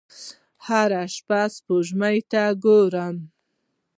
هره شپه سپوږمۍ ته ګورم